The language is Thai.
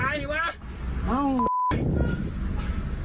หมายความว่าไง